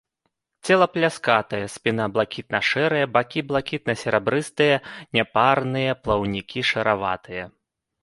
Цела пляскатае, спіна блакітна-шэрая, бакі блакітна-серабрыстыя, няпарныя плаўнікі шараватыя.